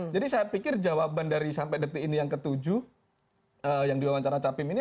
jadi saya pikir jawaban dari sampai detik ini yang ketujuh yang diwawancara capim ini